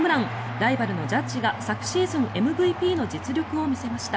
ライバルのジャッジが昨シーズンＭＶＰの実力を見せました。